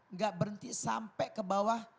nggak berhenti sampai ke bawah